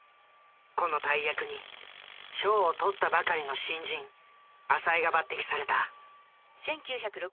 この大役に賞をとったばかりの新人浅井が抜擢された。